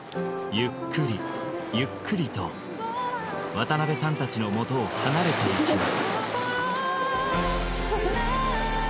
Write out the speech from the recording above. ゆっくりゆっくりと渡辺さんたちのもとを離れていきます